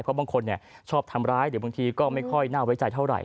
เพราะบางคนชอบทำร้ายหรือบางทีก็ไม่ค่อยน่าไว้ใจเท่าไห